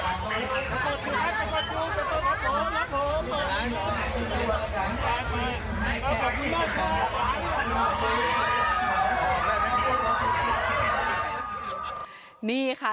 นี่ค่ะสเตอร์ไพรส์ใช่ไหมล่ะค่ะ